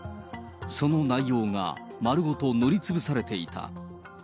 その内容が丸ごと塗りつぶされていた。